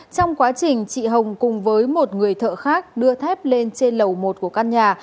trong quá trình chị hồng cùng với một người thợ khác đưa thép lên trên lầu một của căn nhà